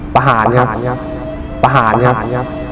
ประหารครับ